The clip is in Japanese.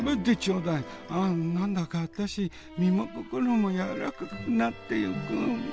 ああ何だかあたし身も心もやわらかくなっていく。